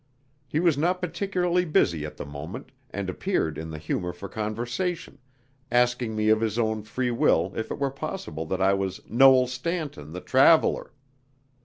He was not particularly busy at the moment, and appeared in the humour for conversation, asking me of his own free will if it were possible that I was "Noel Stanton, the traveller."